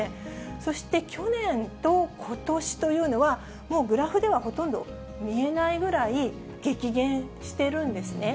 そして、去年とことしというのは、もうグラフではほとんど見えないぐらい激減してるんですね。